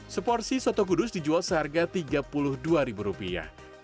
seporsi soto kudus dijual seharga tiga puluh dua ribu rupiah